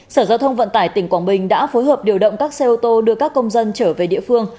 sở giao thông vận tải tỉnh quảng bình đã phối hợp điều động các xe ô tô đưa các công dân trở về địa phương